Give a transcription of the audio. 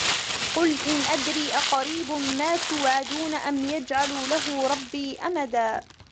قل إن أدري أقريب ما توعدون أم يجعل له ربي أمدا